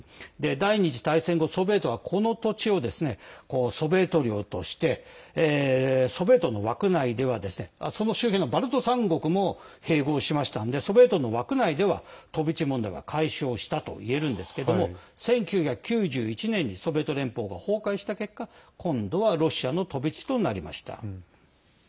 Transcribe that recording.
第２次大戦後ソビエトは、この土地をソビエト領としてソビエトの枠内ではその周辺のバルト３国も併合しましたのでソビエトの枠内では飛び地問題は解消したといえるんですけれども１９９１年にソビエト連邦が崩壊した結果今度はロシアの飛び地となりました。